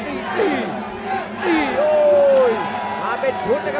และรับไโอในติตร์